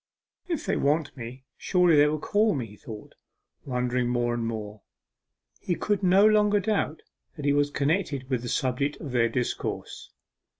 'If they want me, surely they will call me,' he thought, wondering more and more. He could no longer doubt that he was connected with the subject of their discourse.